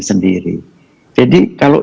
sendiri jadi kalau